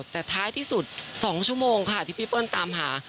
แต่ท้ายที่สุด๒ชั่วโมงค่ะที่พี่เปิ้ลตามหา